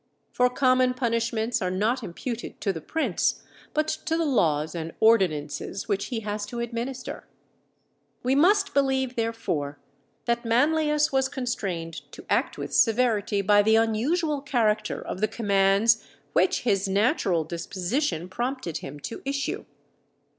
For common punishments are not imputed to the prince, but to the laws and ordinances which he has to administer. We must believe, therefore, that Manlius was constrained to act with severity by the unusual character of the commands which his natural disposition prompted him to issue.